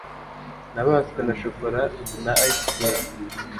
nabaswe na shokora na ice cream